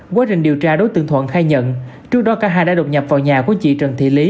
quá trình điều tra đối tượng thuận khai nhận trước đó cả hai đã đột nhập vào nhà của chị trần thị lý